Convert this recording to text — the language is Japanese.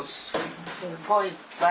すごいいっぱい。